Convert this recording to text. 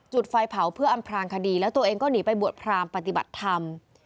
จุดไฟเผาเพื่ออำพลางคดีแล้วตัวเองก็หนีไปบวชพรามปฏิบัติธรรม